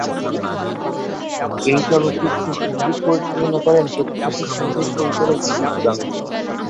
এই চলচ্চিত্রের সঙ্গীত পরিচালনা করেন প্রখ্যাত সঙ্গীত পরিচালক জিৎ গাঙ্গুলী।